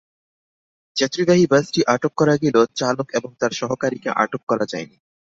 যাত্রীবাহী বাসটি আটক করা গেলেও চালক এবং তাঁর সহকারীকে আটক করা যায়নি।